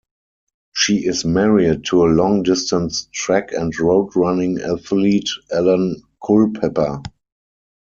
She is married to long-distance track and road running athlete Alan Culpepper.